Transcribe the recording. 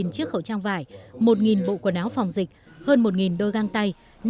một mươi chiếc khẩu trang vải một bộ quần áo phòng dịch hơn một đôi găng tay